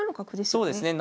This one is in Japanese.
そうですね。